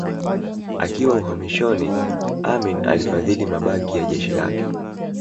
Akiwa uhamishoni Amin alifadhili mabaki ya jeshi lake